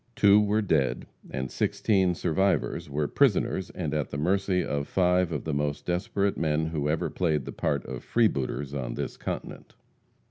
Two were dead, and sixteen survivors were prisoners, and at the mercy of five of the most desperate men who ever played the part of freebooters on this continent.